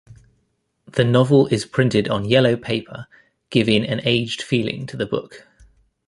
The novel is printed on yellow paper, giving an aged feeling to the book.